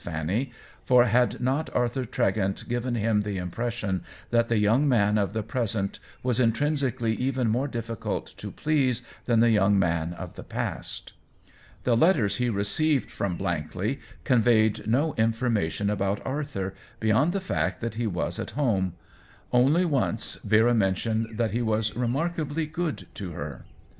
Fanny, for had not Arthur T^e gent given him the impression that the young man of the present was intrinsically even more difficult to please than the young man of the past ? The letters he received from Blankley conveyed no information about Arthur beyond the fact that he was at home ; only once Vera mentioned that he was " remarkably good " to her.